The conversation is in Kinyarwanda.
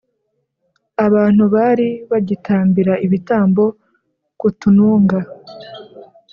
Abantu bari bagitambira ibitambo ku tununga